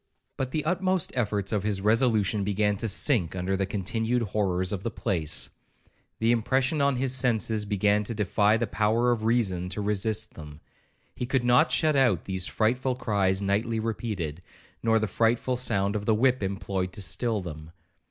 But the utmost efforts of his resolution began to sink under the continued horrors of the place. The impression on his senses began to defy the power of reason to resist them. He could not shut out these frightful cries nightly repeated, nor the frightful sound of the whip employed to still them.